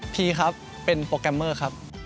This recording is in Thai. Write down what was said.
พี่ครับเป็นโปรแกรมเมอร์ครับ